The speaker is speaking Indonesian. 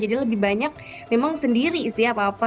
jadi lebih banyak memang sendiri ya papa